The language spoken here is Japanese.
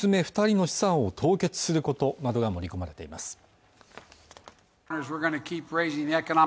二人の資産を凍結することなどが盛り込まれています